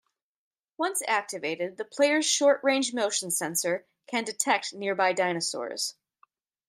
Once activated, the player's short-range motion sensor can detect nearby dinosaurs.